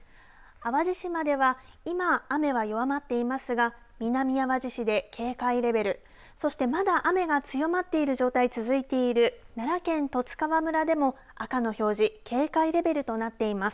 淡路島では今雨は弱まっていますが南あわじ市で警戒レベルそして、まだ雨が強まっている状態が続いている奈良県十津川村でも赤名表示警戒レベルとなっています。